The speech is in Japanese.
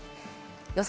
予想